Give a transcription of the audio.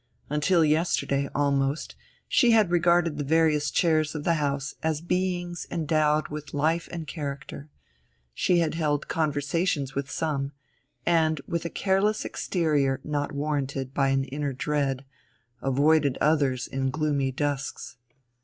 Until yesterday, almost, she had regarded the various chairs of the house as beings endowed with life and character; she had held conversations with some, and, with a careless exterior not warranted by an inner dread, avoided others in gloomy dusks.